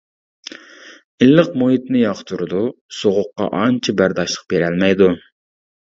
ئىللىق مۇھىتنى ياقتۇرىدۇ، سوغۇققا ئانچە بەرداشلىق بېرەلمەيدۇ.